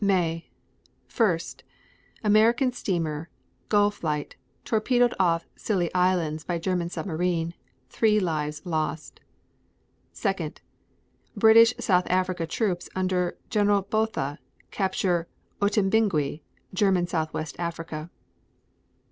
May 1. American steamer Gulflight torpedoed off Scilly Isles by German submarine; 3 lives lost. 2. British South Africa troops under General Botha capture Otymbingue, German Southwest Africa.